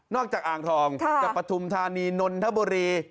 จากอ่างทองจากปฐุมธานีนนทบุรี